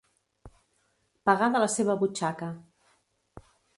Pagar de la seva butxaca.